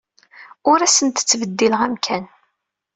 Ur asent-ttbeddileɣ amkan.